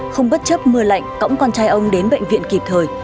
không bất chấp mưa lạnh cõng con trai ông đến bệnh viện kịp thời